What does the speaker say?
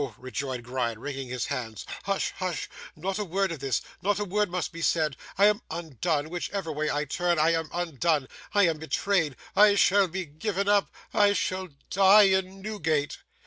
rejoined Gride, wringing his hands. 'Hush! Hush! Not a word of this; not a word must be said. I am undone. Whichever way I turn, I am undone. I am betrayed. I shall be given up. I shall die in Newgate!